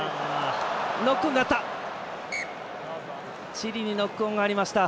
チリにノックオンがありました。